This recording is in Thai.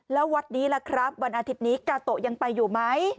แล้ววัดนี้ล่ะครับวันอาทิตย์นี้กาโตะยังไปอยู่ไหม